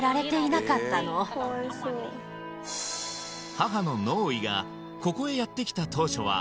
母のノーイがここへやってきた当初は体は